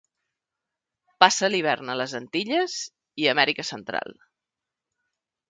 Passa l'hivern a les Antilles i Amèrica Central.